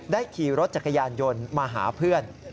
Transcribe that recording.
ขี่รถจักรยานยนต์มาหาเพื่อน